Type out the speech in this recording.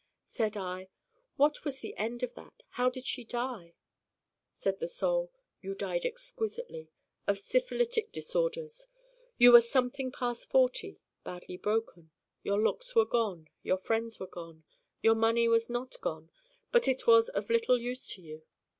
Said I: 'What was the end of that how did she die?' Said the Soul: 'You died exquisitely, of syphilitic disorders. You were something past forty, badly broken your looks were gone, your friends were gone, your money was not gone but it was of little use to you.